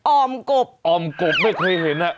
่อมกบอ่อมกบไม่เคยเห็นอ่ะ